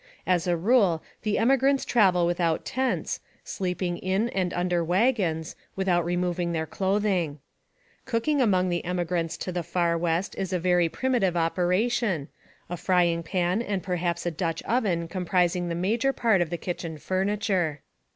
As a rule, the emigrants travel without tents, sleep ing in and under wagons, without removing their clothing. Cooking among emigrants to the far West is a very primitive operation, a frying pan and perhaps a Dutch oven comprising the major part of the kitchen fur niture.